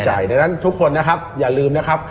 ดังนั้นทุกคนอย่าลืมนะครับ